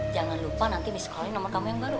jangan lupa nanti miss call in nomor kamu yang baru